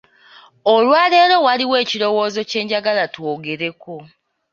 Olwaleero waliwo ekirowoozo kye njagala twogereko.